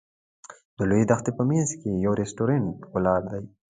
د لویې دښتې په منځ کې یو رسټورانټ ولاړ دی.